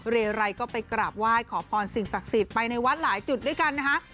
เรไรก็ไปกราบไหว้ขอพรสิ่งศักดิ์สิทธิ์ไปในวัดหลายจุดด้วยกันนะคะ